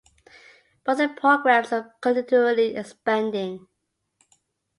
Both programs are continually expanding.